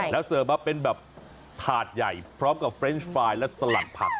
แล้วเสิร์ฟมาเป็นแบบถาดใหญ่พร้อมกับเรนสไฟล์และสลัดผัก